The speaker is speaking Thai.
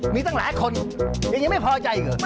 มีตั้งหลายคนยังไม่พอใจก่อน